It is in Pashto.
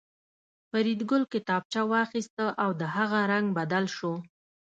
فریدګل کتابچه واخیسته او د هغه رنګ بدل شو